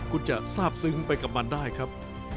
คุณจะทราบซึ้งไปกับมันได้ครับ